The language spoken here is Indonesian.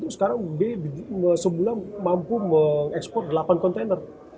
sekarang b bisa mampu ekspor delapan container